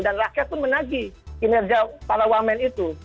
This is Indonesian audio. dan rakyat itu menagi kinerja para wah main itu